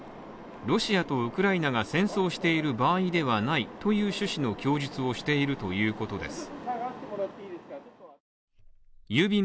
ロシアとウクライナが戦争している場合ではないという趣旨の供述をしているということです。